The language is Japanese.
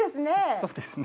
そうですね。